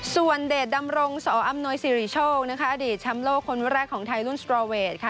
ส่วนเดชดำรงสออำนวยสิริโชคนะคะอดีตแชมป์โลกคนแรกของไทยรุ่นสตรอเวทค่ะ